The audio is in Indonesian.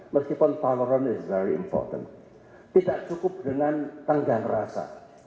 meskipun toleran is very important tidak cukup dengan tanggal rasa